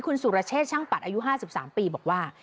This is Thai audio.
คุณสุรเชษช่างปัดอายุ๕๓ปีบอกว่า